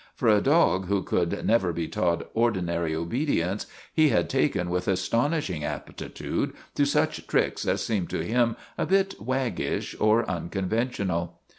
For a dog who could never be taught ordinary obedience, he had taken with astonishing aptitude to such tricks as seemed to him a bit waggish or unconventional.